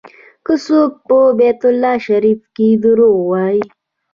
که څوک په بیت الله شریف کې دروغ ووایي.